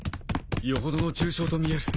よほどの重傷とみえる。